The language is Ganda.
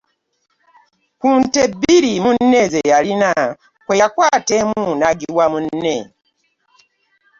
Ku nte ebbiri munne ze yalina, kwe yakwata emu n’agiwa munne.